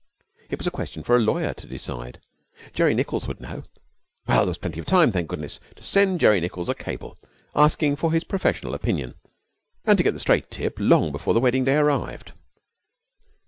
It was a question for a lawyer to decide. Jerry Nichols would know. Well, there was plenty of time, thank goodness, to send Jerry Nichols a cable, asking for his professional opinion, and to get the straight tip long before the wedding day arrived.